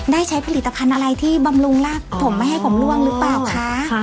ได้ใช้ผลิตภัณฑ์อะไรที่บำรุงรากผมไม่ให้ผมล่วงหรือเปล่าคะ